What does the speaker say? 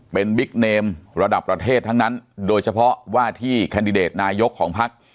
เป็นบิ๊กเนมระดับประเทศทั้งนั้นโดยเฉพาะว่าที่แคนดิเดตนายกของพัก